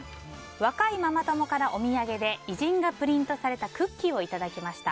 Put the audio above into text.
若いママ友からお土産で偉人がプリントされたクッキーをいただきました。